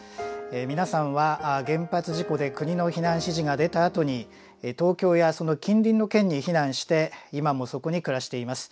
皆さんは原発事故で国の避難指示が出たあとに東京やその近隣の県に避難して今もそこに暮らしています。